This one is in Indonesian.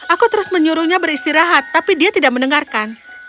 aku terus menyuruhnya beristirahat tapi dia tidak mendengarkan